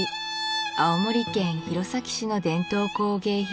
青森県弘前市の伝統工芸品